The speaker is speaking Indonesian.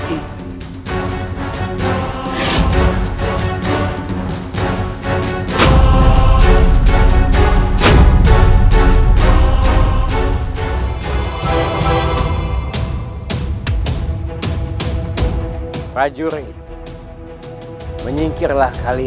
tidak ada yang bisa melakukannya